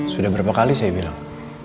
sudah berapa kali saya bilang